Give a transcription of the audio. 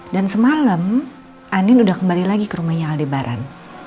dan semalam andin udah kembali lagi ke rumahnya aldebaran